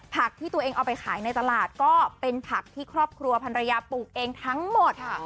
ที่ตัวเองเอาไปขายในตลาดก็เป็นผักที่ครอบครัวพันรยาปลูกเองทั้งหมด